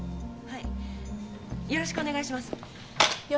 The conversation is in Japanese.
はい。